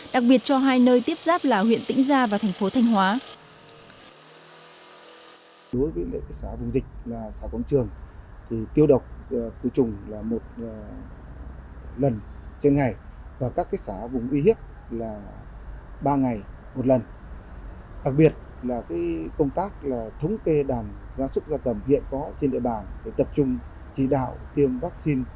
đặc biệt cho hai nơi tiếp giáp là huyện tĩnh gia và thành phố thanh hóa